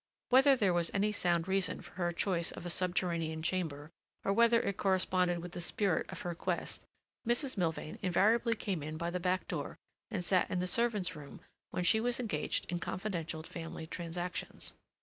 Whether there was any sound reason for her choice of a subterranean chamber, or whether it corresponded with the spirit of her quest, Mrs. Milvain invariably came in by the back door and sat in the servants' room when she was engaged in confidential family transactions.